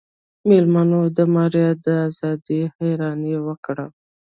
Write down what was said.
مېلمنو د ماريا د ازادۍ حيراني وکړه.